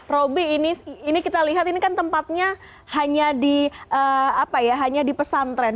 roby ini kita lihat ini kan tempatnya hanya di pesantren